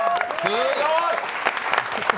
すごい！